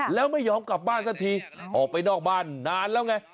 แล้วไม่ยอมกลับบ้านสักทีออกไปนอกบ้านนานแล้วไง